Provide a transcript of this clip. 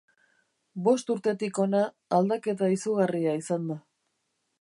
Bost urtetik hona aldaketa izugarria izan da.